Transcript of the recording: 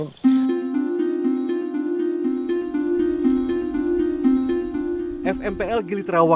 dan aksi bapak ini bereledah